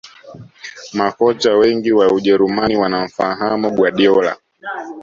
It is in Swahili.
Makocha Wengi wa ujerumani wanamfahamu Guardiola